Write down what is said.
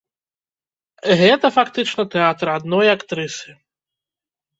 Гэта фактычна тэатр адной актрысы.